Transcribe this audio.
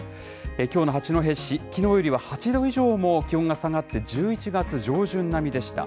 きょうの八戸市、きのうよりは８度以上も気温が下がって、１１月上旬並みでした。